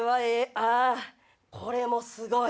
あぁこれもすごい！